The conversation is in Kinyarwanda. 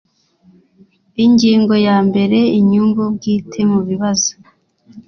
Ingingo ya mbere Inyungu bwite mu bibazo